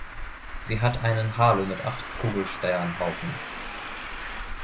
Sie hat einen Halo mit acht Kugelsternhaufen.